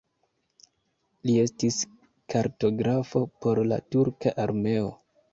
Li estis kartografo por la turka armeo.